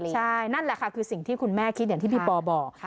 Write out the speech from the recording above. ใช่นั่นแหละค่ะคือสิ่งที่คุณแม่คิดอย่างที่พี่ปอบอก